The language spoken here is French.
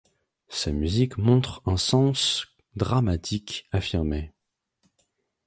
Sa musique montre un sens dramatique affirmé.